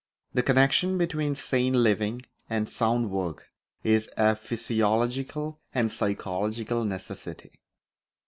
The connection between sane living and sound work is a physiological and psychological necessity.